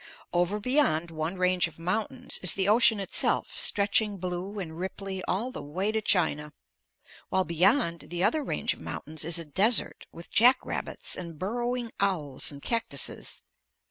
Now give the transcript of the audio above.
Over beyond one range of mountains is the ocean itself stretching blue and ripply all the way to China, while beyond the other range of mountains is a desert with jackrabbits and burrowing owls and cactuses.